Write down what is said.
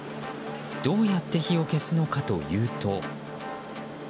どうやって火を消すのかというと。